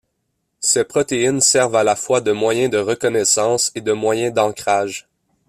Ces protéines servent à la fois de moyen de reconnaissance et de moyen d'ancrage.